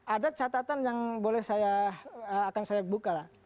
ada catatan yang boleh saya akan saya buka lah